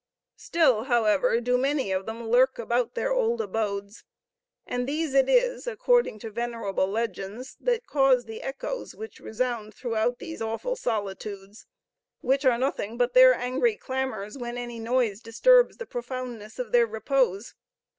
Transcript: Still, however, do many of them lurk about their old abodes; and these it is, according to venerable legends, that cause the echoes which resound throughout these awful solitudes, which are nothing but their angry clamors when any noise disturbs the profoundness of their repose.